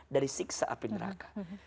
dari siksa api neraka